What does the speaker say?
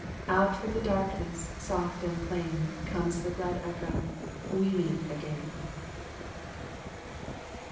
Out from the darkness, soft and plain, Comes the glad echo, "We meet again."